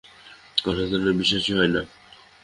কথাটা যেন তাহার বিশ্বাসই হয় না।